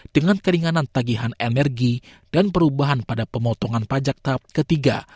dengan keringanan tagihan energi dan perubahan pada pemotongan pajak tahap ketiga